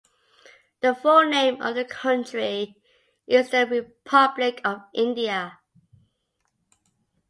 The full name of the country is the "Republic of India".